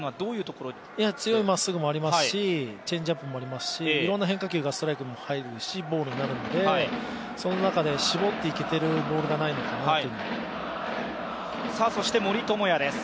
強いまっすぐもありますし、チェンジアップもありますしいろんな変化球がストライクに入りますし、ボールにもなりますので、その中で絞っていけているボールがないのかなと。